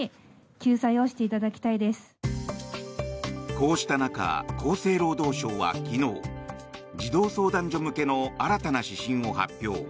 こうした中、厚生労働省は昨日児童相談所向けの新たな指針を発表。